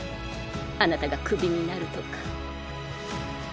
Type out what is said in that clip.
あなたがクビになるとか。